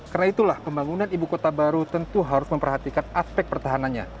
karena itulah pembangunan ibu kota baru tentu harus memperhatikan aspek pertahanannya